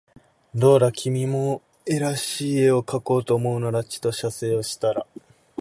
どうだ君も画らしい画をかこうと思うならちと写生をしたら